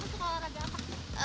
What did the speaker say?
kamu suka olahraga apa